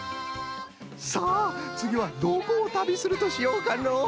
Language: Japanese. さあつぎはどこを旅するとしようかのう？